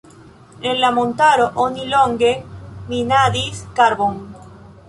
En la montaro oni longe minadis karbon.